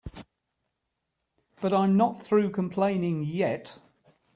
But I'm not through complaining yet.